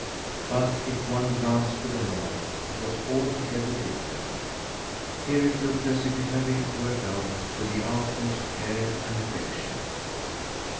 But if one glanced to the north, it was altogether different. Here it looked as if it had been worked out with the utmost care and affection.